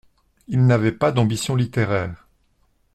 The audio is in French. Il n'avait pas d'ambitions littéraires.